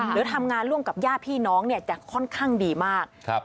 หรือทำงานร่วมกับญาติพี่น้องเนี่ยจะค่อนข้างดีมาก